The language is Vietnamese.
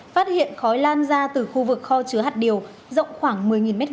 phát hiện khói lan ra từ khu vực kho chứa hạt điều rộng khoảng một mươi m hai